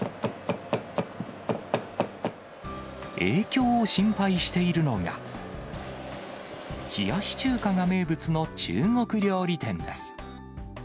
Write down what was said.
影響を心配しているのが、冷やし中華が名物の中国料理店です。